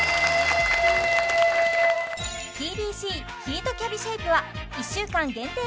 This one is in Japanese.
ＴＢＣヒートキャビシェイプは１週間限定